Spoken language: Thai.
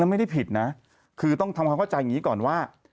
ไม่ได้ผิดนะคือต้องทำความเข้าใจอย่างนี้ก่อนว่า